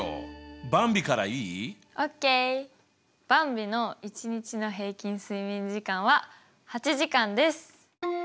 ばんびの１日の平均睡眠時間は８時間です。